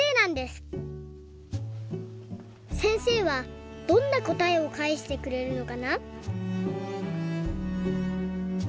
せんせいはどんなこたえをかえしてくれるのかな？